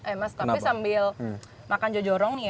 eh mas tapi sambil makan jojorong nih ya